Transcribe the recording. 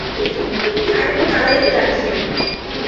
কানে তো তালা লেগে যাচ্ছে।